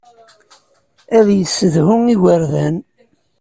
Ad yessedhu igerdan.